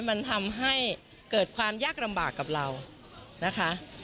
มันทำให้เกิดความยากลำบากกับเรานะคะ